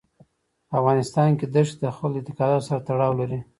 په افغانستان کې ښتې د خلکو د اعتقاداتو سره تړاو لري.